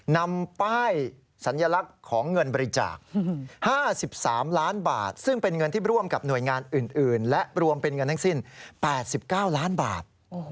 นำป้ายสัญลักษณ์ของเงินบริจาค๕๓ล้านบาทซึ่งเป็นเงินที่ร่วมกับหน่วยงานอื่นและรวมเป็นเงินทั้งสิ้น๘๙ล้านบาท